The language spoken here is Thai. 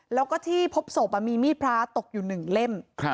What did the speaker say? แล้วก็ที่พบศพมีมีดพระตกอยู่๑เล่ม